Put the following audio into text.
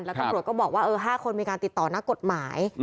แล้วตำรวจก็บอกว่า๕คนมีการติดต่อนักกฎหมาย